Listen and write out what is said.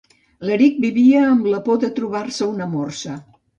L'Eric vivia amb la por de trobar-se una morsa.